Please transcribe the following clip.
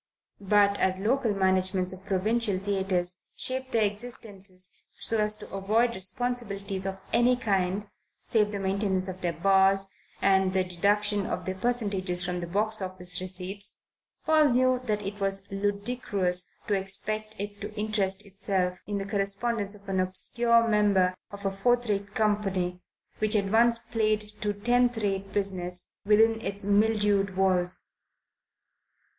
But as local managements of provincial theatres shape their existences so as to avoid responsibilities of any kind save the maintenance of their bars and the deduction of their percentages from the box office receipts, Paul knew that it was ludicrous to expect it to interest itself in the correspondence of an obscure member of a fourth rate company which had once played to tenth rate business within its mildewed walls.